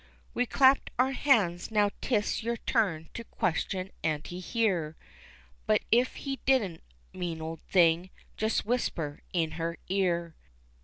We clapped our hands. Now 'tis your turn to question Auntie here, But if he didn't mean old thing just whisper in her ear.